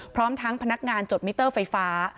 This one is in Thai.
พร้อมทั้งพนักงานจดมิเตอร์ไฟฟ้า